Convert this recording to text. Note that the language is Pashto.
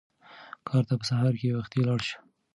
کار ته په سهار کې وختي لاړ شه.